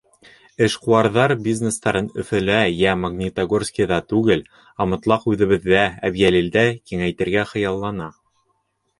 Эшҡыуарҙар бизнестарын Өфөлә йә Магнитогорскиҙа түгел, ә мотлаҡ үҙебеҙҙә, Әбйәлилдә, киңәйтергә хыяллана.